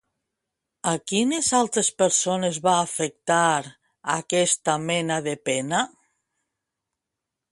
A quines altres persones va afectar aquesta mena de pena?